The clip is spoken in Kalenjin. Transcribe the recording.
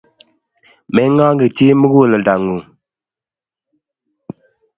Meng'ang'chi chi tugul mukuleldo ng'ung'.